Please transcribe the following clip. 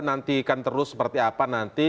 nantikan terus seperti apa nanti